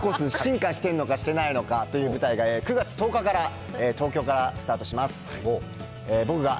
ガラパコスパコス進化してんのかしてないのかという舞台が９月１０日から東京からスタートします。